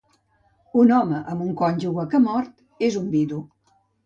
Un home amb un cònjuge que ha mort és un vidu.